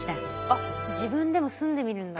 あっ自分でも住んでみるんだ。